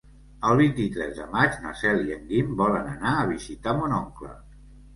El vint-i-tres de maig na Cel i en Guim volen anar a visitar mon oncle.